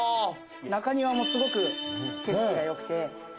中庭もすごく景色がよくて。